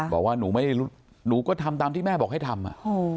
บอกว่าหนูไม่รู้หนูก็ทำตามที่แม่บอกให้ทำ